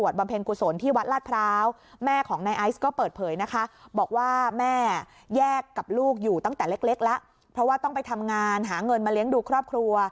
ลูกเล็กแล้วเพราะว่าต้องไปทำงานหาเงินมาเลี้ยงดูครอบครัว